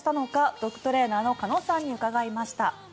ドッグトレーナーの鹿野さんに伺いました。